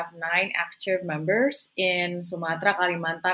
sembilan anggota aktif di sumatera kalimantan